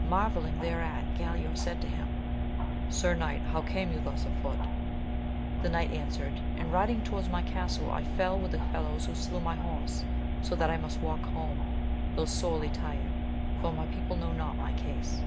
Marvelling thereat, Galaor said to him, Sir knight, how came you thus afoot? The knight answered, in riding toward my castle I fell in with fellows who slew my horse, so that I must walk home, though sorely tired, for my people know not my case.